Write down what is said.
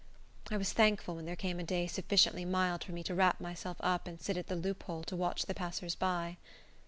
I was thankful when there came a day sufficiently mild for me to wrap myself up and sit at the loophole to watch the passers by.